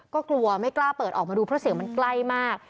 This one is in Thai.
ก็กลัวไม่กล้าเปิดออกมาดูเพราะเสียงมันใกล้มาก